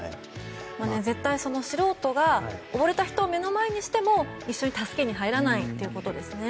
絶対素人が溺れた人を目の前にしても一緒に助けに入らないということですよね。